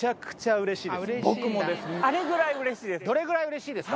どれぐらいうれしいですか？